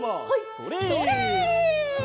それ！